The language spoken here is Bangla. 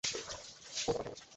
ওর বাবা কেমন আছে?